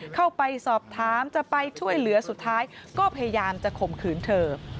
เข้าไปสอบถามจะไปช่วยเหลือสุดท้ายก็พยายามจะข่มขืนเธอ